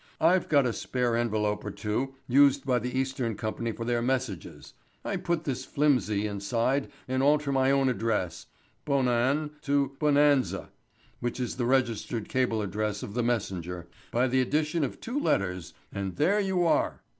I've got a spare envelope or two used by the Eastern Company for their messages; I put this flimsy inside and alter my own address 'Bonan' to 'Bonanza' which is the registered cable address of The Messenger by the addition of two letters, and there you are.